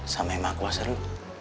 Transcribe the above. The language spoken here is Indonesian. sama emak kuasa lu